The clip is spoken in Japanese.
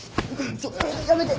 ちょっやめて！